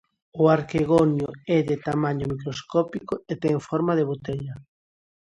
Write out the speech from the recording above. O arquegonio é de tamaño microscópico e ten forma de botella.